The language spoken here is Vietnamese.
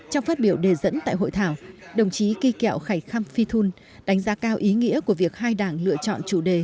trong phát biểu đề dẫn tại hội thảo đồng chí kỳ kẹo khải khăm phi thun đánh giá cao ý nghĩa của việc hai đảng lựa chọn chủ đề